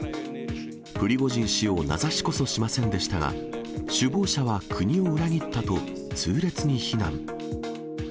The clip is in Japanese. プリゴジン氏を名指しこそしませんでしたが、首謀者は国を裏切ったと痛烈に非難。